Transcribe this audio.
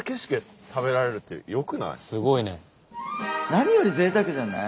何よりぜいたくじゃない？